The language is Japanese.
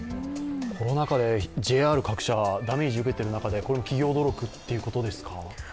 コロナ禍でＪＲ各社ダメージ受けている中で、企業努力ということですか。